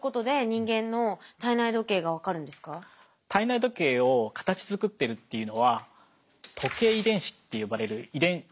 体内時計を形づくってるっていうのは時計遺伝子と呼ばれる遺伝子なんですよ。